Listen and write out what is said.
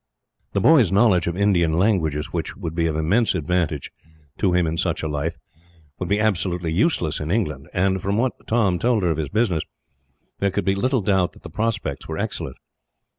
The boy's knowledge of Indian languages, which would be of immense advantage to him in such a life, would be absolutely useless in England and, from what Tom told her of his business, there could be little doubt that the prospects were excellent.